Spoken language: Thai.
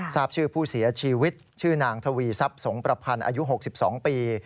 ทราบชื่อผู้เสียชีวิตชื่อนางทวีทรัพย์สงประพันธ์อายุ๖๒ปี